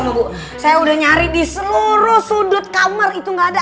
sama sama bu saya udah nyari di seluruh sudut kamar itu gak ada